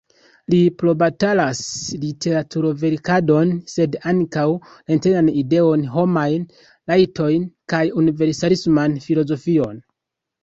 Li probatalas literaturverkadon, sed ankaŭ la Internan Ideon, homajn rajtojn, kaj universalisman filozofion.